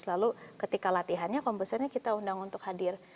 lalu ketika latihannya komposernya kita undang untuk hadir